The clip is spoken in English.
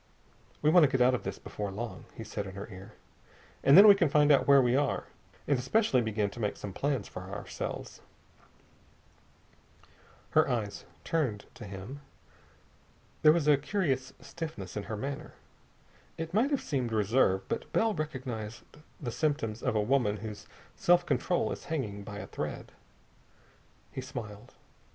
"We want to get out of this before long," he said in her ear, "and then we can find out where we are, and especially begin to make some plans for ourselves." Her eyes turned to him. There was a curious stiffness in her manner. It might have seemed reserve, but Bell recognized the symptoms of a woman whose self control is hanging by a thread. He smiled.